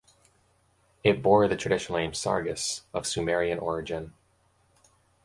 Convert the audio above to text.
It bore the traditional name "Sargas", of Sumerian origin.